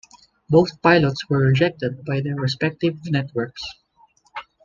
Both pilots were rejected by their respective networks.